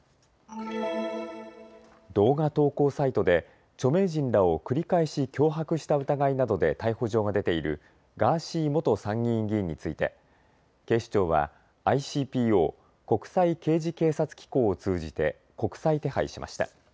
動画投稿サイトで著名人らを繰り返し脅迫した疑いなどで逮捕状が出ているガーシー元参議院議員について警視庁はＩＣＰＯ・国際刑事警察機構を通じて国際手配しました。